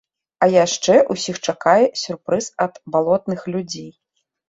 А яшчэ ўсіх чакае сюрпрыз ад балотных людзей.